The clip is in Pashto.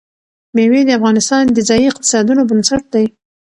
مېوې د افغانستان د ځایي اقتصادونو بنسټ دی.